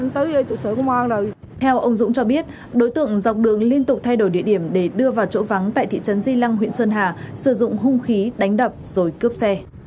theo ông dũng cho biết đối tượng dọc đường liên tục thay đổi địa điểm để đưa vào chỗ vắng tại thị trấn di lăng huyện sơn hà sử dụng hung khí đánh đập rồi cướp xe